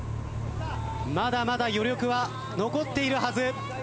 まだまだ余力は残っているはず。